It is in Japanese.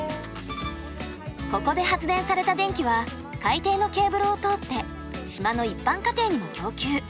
ここで発電された電気は海底のケーブルを通って島の一般家庭にも供給。